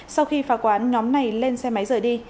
sau khi phá quán nhóm này lên xe máy rời đi